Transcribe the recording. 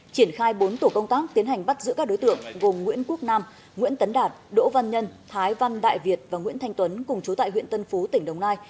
triển khai bốn tổ công tác tiến hành bắt giữ các đối tượng gồm nguyễn quốc nam nguyễn tấn đạt đỗ văn nhân thái văn đại việt và nguyễn thanh tuấn cùng chú tại huyện tân phú tỉnh đồng nai